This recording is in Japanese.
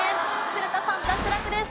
古田さん脱落です。